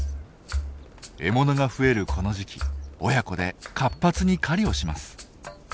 獲物が増えるこの時期親子で活発に狩りをします。